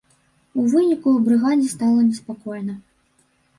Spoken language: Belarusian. У выніку ў брыгадзе стала неспакойна.